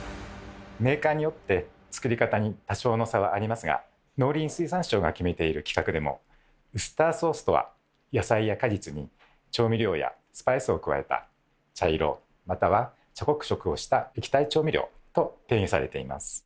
メーカーによって作り方に多少の差はありますが農林水産省が決めている規格でも「『ウスターソース』とは野菜や果実に調味料やスパイスを加えた茶色または茶黒色をした液体調味料」と定義されています。